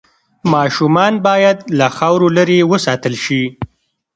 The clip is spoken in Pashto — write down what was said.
ماشومان باید له خاورو لرې وساتل شي۔